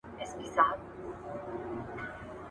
آس که ټکنى دئ، ميدان يي لنډنى دئ.